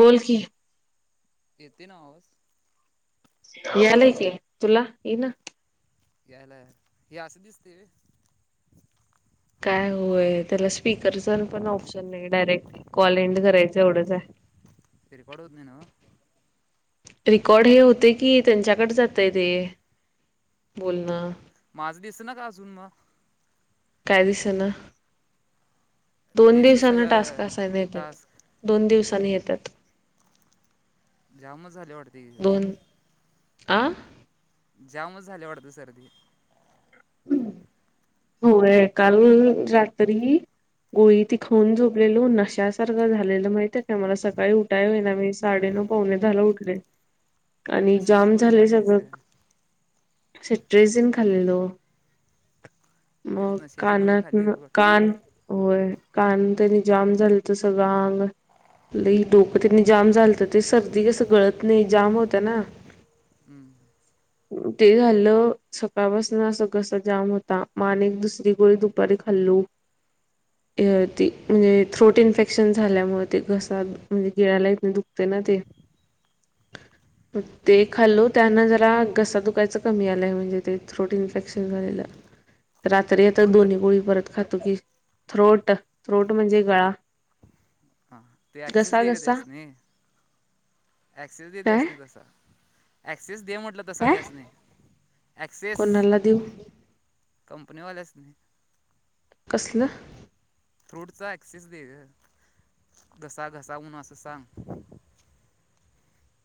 बोल की. येतोय ना आवाज? यालाय की. तुला इना? यायला. हे असं दिसते व्हय? काय होय. त्याला स्पीकरच पण ऑप्शन नाही डायरेक्ट कॉल एंड करायचं एवढंच हाय. [inaudible] रेकॉर्ड होत नाही न्हव? रिकॉर्ड हे होते की, त्यांच्याकड जातय ते. हां बोलणं. [unintelligible] अजून मग. काय दिसना? दोन तेच की दिवसांना टास्क सगळं असांइन देत्यात. टास्क दोन दिवसांनी येत्यात. जामच झाली वाटते किथ. आ? जामच झाले वाढतं सर्दी? होय काल रात्री गोळी ति खाऊन झोपलेलो. नश्या सारखं झालेलं माहितय काय मला सकाळी उठाय ना मी साडे नऊ, पावणेदहाला उठलोय आणि नशेचीच जाम गोळी झाले खाल्लेलीस सगळं. काय सिट्राझीन खाल्लेलो यांच्या. तेच मग नशेची गोळी कानात खाल्ली वाटतं कान होय. कान तरी जाम झालं त सगळं आंग - लई डोकं त्यांनी जाम झालंत. ते सर्दी कसं गळत नाही जाम होत्या ना. हम्म. ते झालं सकाळपासून अस घसा जाम होता. आ नेक दुसरी गोळी दुपारी खाल्लू ती हम्म. म्हणजे थ्रोट इन्फेक्शन झाल्यामुळे ते घसा म्हणजे गिळा्याला इ दुखते. त्यां ते मग ते खाल्ल त्यांना जरा घसा दुखायचं कमी आलंय म्हणजे ते थ्रोट इन्फेक्शन झालेलं. रात्री आता ट्रुथ दोन्ही गोळी परत खात. त की थ्रोट थ्रोट म्हणजे गळा. हां ते ऍक्सेस घसा दे ग घसा नाही. ॲक्सिस दे काय द्यास नाही तसा ऍक्सेस दे म्हटल तसा काय त्यांना- कोणाला देऊ. कंपनी वाल्यांना कसलं. फ्रूटचा ऍक्सेस दे घसा घसावन असं सांग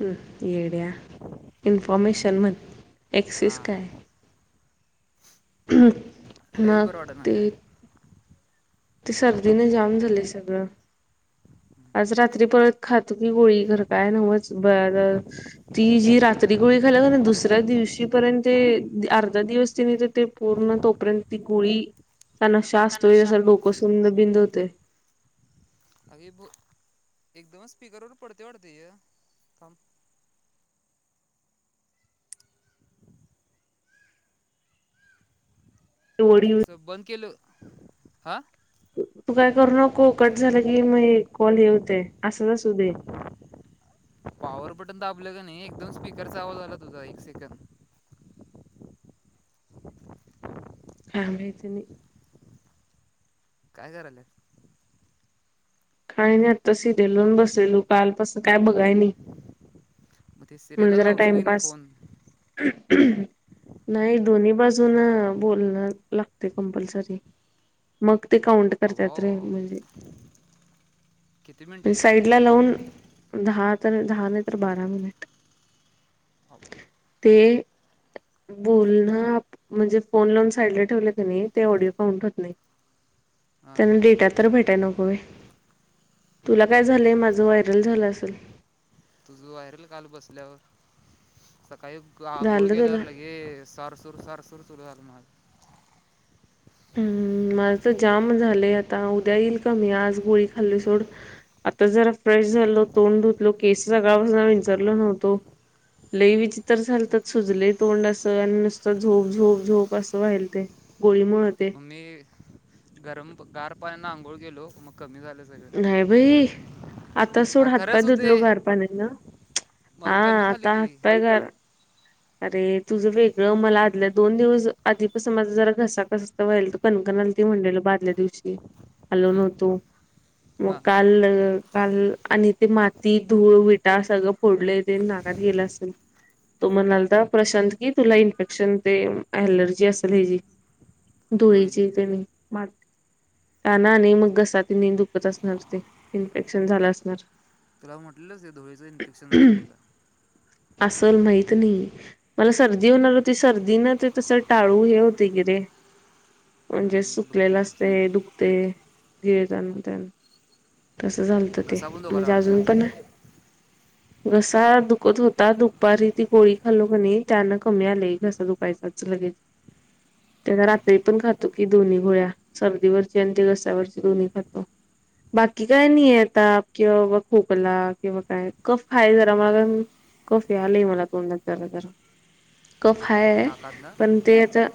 ह् येड्या इन्फॉर्मेशन मण ऍक्सिस हां काय? हम्. लईच बरं वाटतं ना काय? ते सर्दीने जाम झाले सगळं. आज रात्री परत खातो की गोळी घर काय नवच ती जी रात्री गोळी खाल्लं की दुसऱ्या दिवशीपर्यंत ते अर्धा दिवस तिने ते पूर्ण तोपर्यंत ती गुळी गोळीचा नशा सअसतोय तनुषा जस डोकं सुंद बिंद होते. अग ब एकदमच स्पीकरवरर पडते वाढते हे थाब. वडी असं बंद केलं हा. तू काय करू नको कट झालं की मग कॉल येऊते अससू दे. पॉवर बटन दाबले की एकदम स्पीकर चा आवाज तुझा एक सेकड. काय माहिती नाही. काय करायले. काय नाही आता सिरलीय लावून बसलेलू कालपसून काय बघाय नाही. मग ते सिरियल म्हणलं जरा लावशील की नाही टाइमपास फोन [unintelligible] नाही दोन्ही बाजून बोलण लागते कंपल्सरी मग ते काउंट अवा करतात रे म्हणजे किती पण मिनटे साईड ला लावून. दहा तर दहा नाही तर बारा मिनिट. अवा ते बोल ना म्हणजे फोन लोन साईडला ठेवले त्यांनी ते ऑडिओ काउंट होत नाही. हां त्यांना हां डेटा तर भेटाय नको होय. तुला काय झालंय बरोबर माझं व्हायरल झालं असेल. तुझं व्हायरल काल बसल्यावर काही आंघोळ झालं केल्यावर तुला लगेच सर सुर सर सुर सुरू झालं म हम्म माझ तर जाम झालंय आता उद्या येईल कमी आज गोळी खाल्ली सोड. आता जरा फ्रेश झाल तोंड धुतलो केस सगळपासून विचरल नव्हतो. लई विचित्र झालतात सुजले तोंड असं आणि नुसतं झोप झोप झोप असं वा्हाल ते गोळी मुळेत मग मी गरम गार पाण्याना आंघोळ केलो मग. कमी झालं सगळं नाही भाई आता हा सोड हातपाय खरंच होते धुतलो घार पाण्या ना. माझं हा कमी झालं आता की हात पाय. अरे तुझं वेगळं मला आदल्या दोन दिवस आधीपसून माझा जरा घसा कस तरी व्हायलात. ते म्हणल बादल्या दिवशी आलो नव्हतो मग हां काल आणि ते माती धूळ विटा सगळं फोडलं ते नाकात गेलं असेल. तो म्हणालता प्रशांत की तुला इन्फेक्शन ते ॲलर्जी असेल हेची. धुळीची ते माती काना आणि मग घसाात न दुखत असणार ते इन्फेक्शन झालं असणार. तुला म्हटलं धुळेचं इन्फेक्शन झालयं तिला. असल माहित नाही. मला सर्दी होणार होती. सर्दी ना ते तसं टाळू हे होते किरे. म्हणजे हम्म, सुकलेलं दुखते अ, असतयं. दुखतयं गिळतान तेन. तसं झालतं ते घसा पण दुखायला म्हणजे वाटतं अजून पण घसा दुखत होता. दुपारी ती गोळी खाल्लं कनी त्यान कमी आलयं घसा दुखायचं लगेच. त्या हम्म, रात्री पण खातो की दोन्ही गोळ्या सर्दीवरची आणि ती घश्यावरची दोन्ही खातो. बाकी काही नाही आता किं खोकला किंवा काय कफ आहे जरा [unintelligible] कफ यालयं मला तोंडात जरा जरा कफ हाय नाकात ना पण ते आता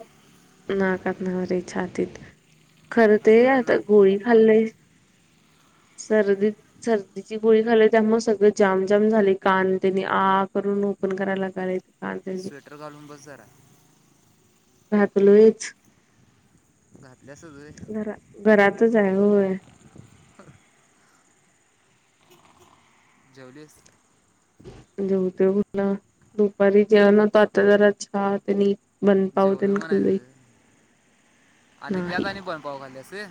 नाकात नवरे छातीत खरं ते अगं आता ना गोळी खाल्लेय. [unintelligible] सर्दीत सर्दीची गोळी खाली त्यामुळे सगळे जामजाम झाले. कानतेन आ करून - - ओपन करायला. लागालय कान तेन स्वेटर घालून बस जरा. घातलोयच. घातल्यास व्हंय. तुज हाय होय. जेवलीस? जेवतोय कुठलं दुपारी जेवाय नकतो आता जरा चहा तेनी - - जेवलोय म्हणायचं आणि नाही त्यात आणि बंदपाव खाल्यास होय.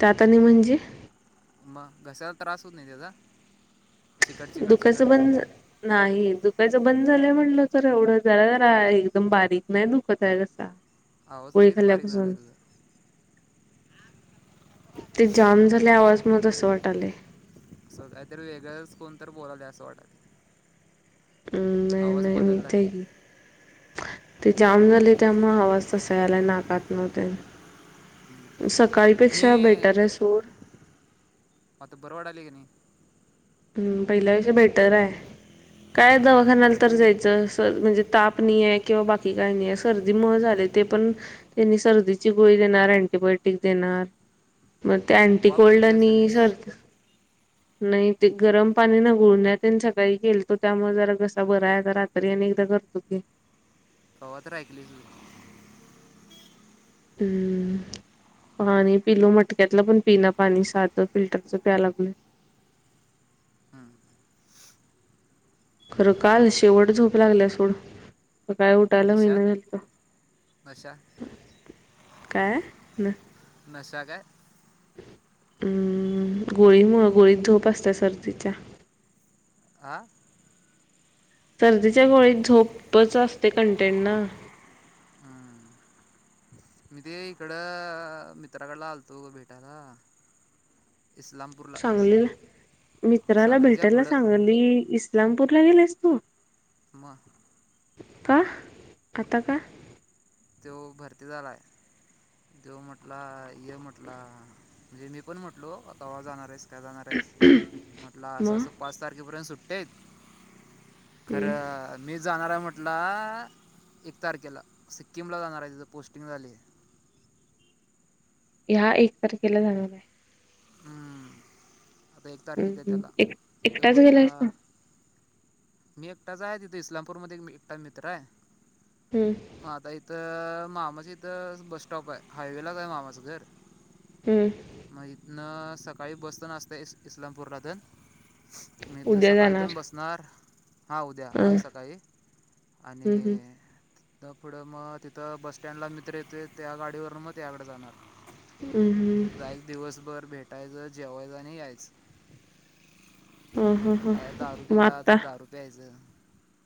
त्यात आणि म्हणजे मग घसाला त्रास होत नाही त्याचा? चिकट चिकट चिकट दुखाचं बंद नाही दुखायचं बंद झालंय म्हटलं तर एवढं जसजरा हाय एकदम बारिक नाही दुखत हाय घसा. आवाज लईचं बारीक झालाय तुझा. ते जाम झालयं आवाज म्हणुन तसं वाटलंय. सकाळीतरी वेगळंच कोणत बोलाला असं वाटालतं. हम्म नाही आवाज नाही मीच बदललाय. आहे की ते जाम झाल त्यामुळ आवाज तसा याला नाकात तेन. सकाळीपेक्षा मी बेटर हाय सोड. आता बर वाटालय कि नाही? हम्म. पहिल्या पेक्षा बेटर हाय. काय दवाखान्याला तर जायचं म्हणजे ताप नाइहाय आहे किंवा बाकी काय नाईहाय सर्दीमुंळ झालयं. ते पण त्यांनी सर्दीची गोळी देणार अंटीबायोटिक देणार. मग अंटी वाफ कोल्ड घेतल्यास का आणि नाहीस सर - - नाही ते गरम पाणी न गुळण्यातेन सकाळी केलतो त्यामुळे जरा घसा बरा हाय आता रात्री आणि करतो की. कवातरी ऐकलीस बघं. हम्म. पाणी पिलो मटक्यातलं पण पिना पाणी साधं फिल्टरच प्याय लागलोयं. हम्म. खरं काल शेवट झोप लागल्या सोड. काय उठायला नशा होईना झालत. नशा काय ना? नशा काय. हम्म गोळीमुळ गोळीत झोप असत्या सर्दीच्या. आ. सर्दीच्या गोळीत झोपच असते कंटेन ना. हम्म. मी ते इकड मित्राकडला आलतो भेटायला. इस्लामपूरला चांगलेला मित्राला सांगलीच्या भेटायला पुढं चांगली इस. इलामपूर ला गेलेस तू. म. का आता का. तेो भरती झालाय जो म्हटला य म्हटला. म्हणजे मी पण म्हटलो आताव्हा जाणार आहेस काय जाणार आहेस म्हटलं असं मग असं पाच तारखेपर्यंत सुट. तेच हम्म, खरं मी जाणार आहे म्ह. आठला एक तारखेला सिक्कीमला जाणार आहे तिथं पोस्टिंग झाली आहे. ह्या एक तारखेला जाणार आहे. हम्म. आता एक हम्म, तारखेेत हम्म, त्याला एक तेव एकटाच गेलायस म्हटलं. ना? मी एकटाच आहे तथे इस्लामपूरमध्येध्ये एकटा मित्र आहे हम्म, मग आता इथ. मामस इथं बस स्टॉप आहे हायवेला काय मामास घर. हम्म, मा न सकाळी बसत नचत इस्लामपूर रन. मी उद्या जाणार. सकाळीतून बसणार. हा उद्या अं, उद्या सकाळी आणि. हम्म, हम्म, तर पुढं मग तिथं बस सटँडला मित्र येते त्या गाडीवरून मग त्याकडे जाणार. हम्म, हम्म. जायच दिवसभर भेटायचं जेवायचं. नाही यायच. हं, हं, काय हं. दारू मग दिला आत्ता तर दारू प्यायचं.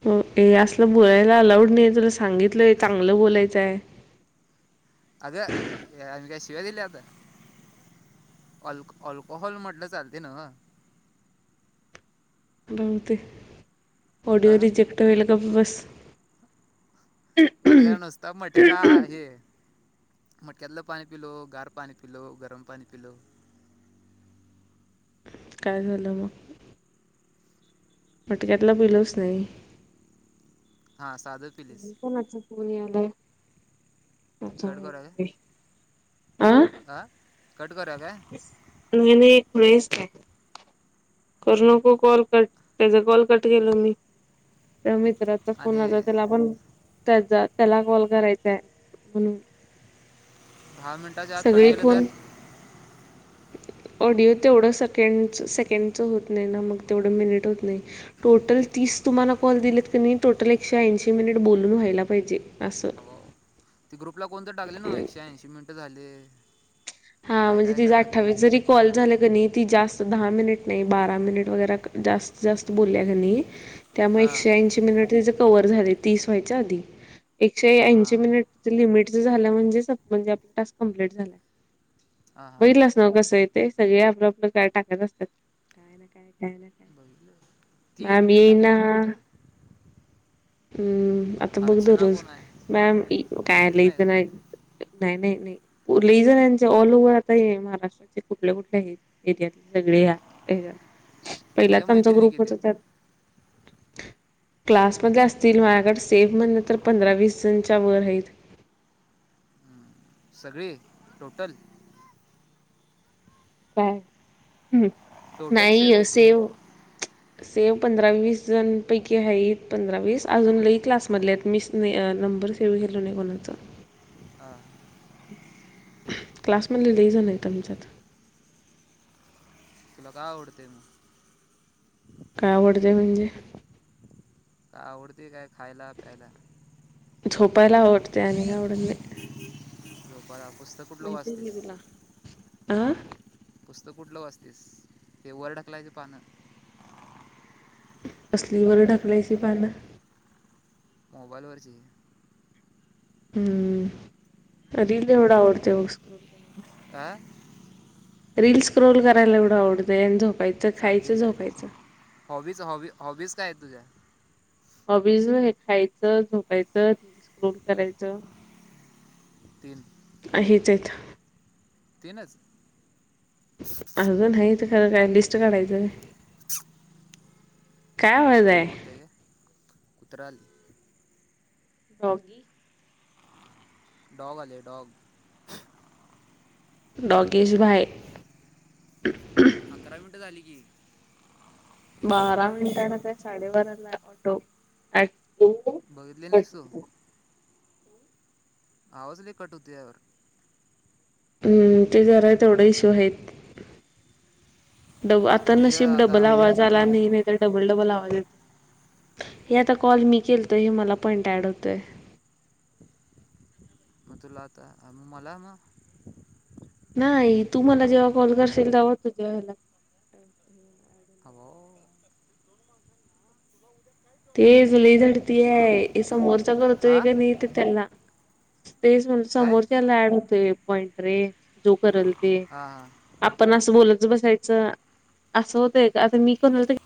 हो ए असलं बोलायला अलाउड नाही आहे तुला सांगितलंय चांगलं बोलायचंय. अग अ का शिवादलाात. अल् अल्कोहल म्हटलं चालते ना. बहते ऑडिओ अ रिजेक्ट होयला का बस. वात क नुसता मट का हे. मट कदला पाणी पिलो गार पाणी पिलो गरम पाणी पिलोव. काय झालं मग. मटक्यातला पलच नाही. हा साधर पिलीस. कोणाचा कट करूया काय आं. हां कट करूया काय नने घरस. करू नको कॉल कट त्याचा कॉल कट केलं मी. तर मित्राचा फोन आणि आला त्याला पण. त्याचा त्याला कॉल करायचाय म्हणून. दहा मिनिटाच्या आत सगळी खडकलं तर. फोन ऑडिओ तेवढं सेकं सेकंड. त तुम्हाला क. ीशे मिनिट बोलून व्हायला पाहिजे. असं. हो ते ग्रुपला कोणत टाकले ना एकशे ऐंशी मिनिटं झाले. हा काय म्हणजे काय ति काय टाकले अठ्ठावीस की जरी कॉल झाला क ती जास्त. दहा मिनिट नाही बारा मिनिट वगैरे जास्त जास्त बोलल्या घानी. त्यामुळे हां एकशे ऐंशी मिनिट तचे कव्हवर झाले तीस व्हायच्या आधी. एकशे ऐंशी हां मिनिट लिमिट झालं म्हणजेच म्हणजे आप टास्क कमप्लीट झाला. हां हां बघलंच ना कसं आहे ते सगळे आपलं आपलं काळ टाकत असतात काय ना काय. बघितलं ती का मॅ एकटीच येई टाकले ना. की आत्ता हम्म आता बघ द अर्चना रोज कोण आहे मॅम काय आलं मैत्रीण आहे इथ का नाही तुझ्या नाही नाही. रिजन ऑल ओव्हर आता महाराष्ट्राचे कुठल्या कुठल्या एरियात. सगळे ह्या पहिलाच तुझ्या आमचा मैत्रिणी ग्रुप किती होत त्यात. आहेत क्लास मध अस. ती माझ्याकडे सेफ. म्हणल तर पंधरा वीस जणच्या वर आहेत. घे टोटल. काय ह टोटल नाही सेव किती असेव. आहेत सेव पंधरा वीस जण पैकी आहेत. पंधरा वीस अजून लई क्लासमधले आहेत मिच नाहीं अजून. नंबर सेव केला नाहीं कोणाचा. हा. क्लासमधले लई जन आहेत आमच्यात. तुला काय आवडते मग? काय आवडतेंय म्हणजे. आवडतय काय खायला-प्यायला? झोपायला आवडते आणि काय नाही. हम बरोबर. माहिती आहे मी तुला. अह. तू कुठलं वाचतीस ते वरढकलायची पानं. कसलीवर ढकलायची पानं? मोबाईलवरची. हम्म [unintelligible] अल एवढं आवडतं मघ स्कू वगैराला आ. रील्स क्रोल करायला एवढं आवडतंय. आणि झोपायचं, खायचं, झोपायचं. हॉबी-हॉबी हॉबीज काय आहेत तुझ्या? हॉबीज, हे खायचं झोपायचं, रील्स स्क्रोल करायचं. तीन. हेच आहेत. तीनच? अजून हायेत खरं काय लिस्ट काढायचं व्हय. लई मोठी हाय काय? कुत्र आलय. डॉग्गी. डॉग आले डॉग. डॉगेश भाय. अकरा मिनिटं झाली की. बारा मिनिटांन काय साडेबारा ला हाय म्हटलो ॲट बघितली नाहीस तू? आवाज लई कट होतोय यावर हुं. ते जरा तेवढे इश्यू हायेत. डबा आता मग हे नशीब डबल आता आवाज आला नाही. नाही तर डबल डबल आवाज येतो. हे आता कॉल मी केलतो. हे मला पॉइंट ॲड होतोय. [inaudible] मग तुला आता, म मला म? नाही. तु मला जेव्हा कॉल करशील तेव्हा तुझ्या हेला. आ बा बा बा! ते जुली झडती हा हाय. समोरचा करतोय हा का नाहीे ते त्याला तेच म्हणल, काय समोरच्याला ॲड होतोय पॉईंट रे. जो करल ते हा हा आपण असं बोलच बसायचं. आसं होतय का आता मी कुणाला तर